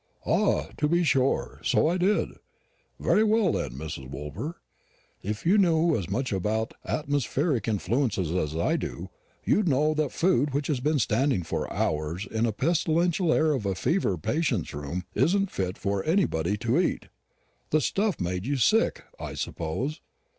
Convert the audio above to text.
"Ah, to be sure; so I did. Very well, then, Mrs. Woolper, if you knew as much about atmospheric influences as I do, you'd know that food which has been standing for hours in the pestilential air of a fever patient's room isn't fit for anybody to eat. The stuff made you sick, I suppose."